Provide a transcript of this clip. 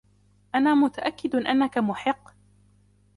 أنا متأكد أنكَ محق.